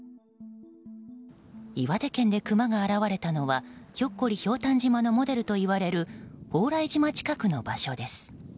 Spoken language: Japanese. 岩手県でクマが現れたのは「ひょっこりひょうたん島」のモデルといわれる蓬莱島近くの場所です。